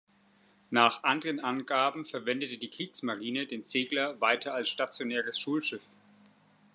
Nach anderen Angaben verwendete die Kriegsmarine den Segler weiter als stationäres Schulschiff.